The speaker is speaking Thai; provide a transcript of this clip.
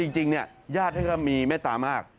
จริงญาติก็มีแม่ตามาก